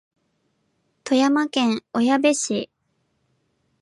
富山県小矢部市